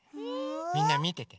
みんなみてて！